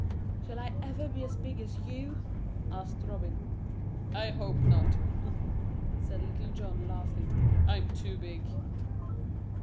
"Shall I ever be as big as you?" asked Robin. "I hope not," said Little John, laughing. "I'm too big."